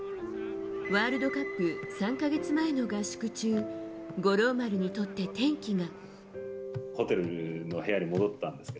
ワールドカップ３か月前の合宿中五郎丸にとって転機が。